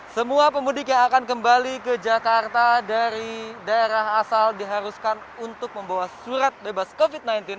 semua pemudik yang akan kembali ke jakarta dari daerah asal diharuskan untuk membawa surat bebas covid sembilan belas